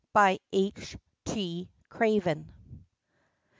H. T. CRAVEN.